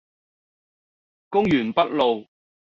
公園北路